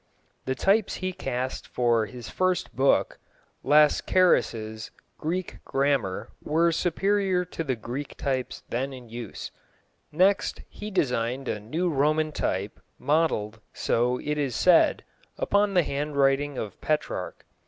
The types he cast for his first book, Lascaris' Greek Grammar, were superior to the Greek types then in use. Next he designed a new Roman type, modelled, so it is said, upon the handwriting of Petrarch.